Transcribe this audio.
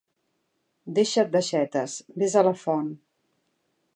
Deixa't d'aixetes, ves a la font.